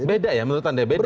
beda ya menurut anda beda